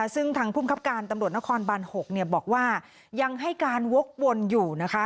ซึ่งทางภูมิครับการตำรวจนครบาน๖บอกว่ายังให้การวกวนอยู่นะคะ